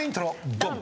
ドン！